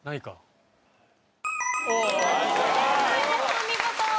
お見事！